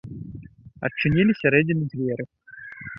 Адчынілі з сярэдзіны дзверы.